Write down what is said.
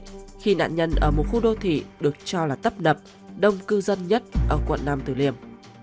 đầu tiên là khi nạn nhân ở một khu đô thị được cho là tấp nập đông cư dân nhất ở quận năm từ liềm